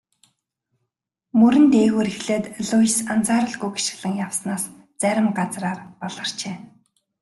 Мөрөн дээгүүр эхлээд Луис анзааралгүй гишгэлэн явснаас зарим газраар баларчээ.